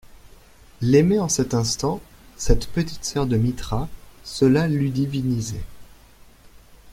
L'aimer en cet instant, cette petite sœur de Mithra, cela l'eût divinisé.